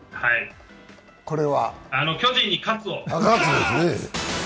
巨人に喝を。